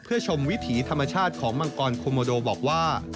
เพื่อชมวิถีธรรมชาติของมังกรโคโมโดบอกว่า